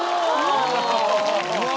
うわ！